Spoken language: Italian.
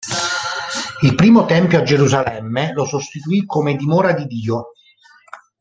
Il Primo Tempio a Gerusalemme lo sostituì come dimora di Dio.